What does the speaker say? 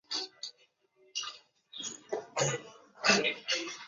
噶玛兰周刊为宜兰培养了多位人才。